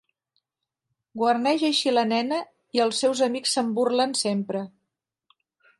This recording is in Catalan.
Guarneix així la nena i els seus amics se'n burlen sempre.